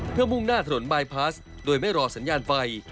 เพื่อมุ่งหน้าถนนบายพลัสโดยไม่รอสัญญาณไฟ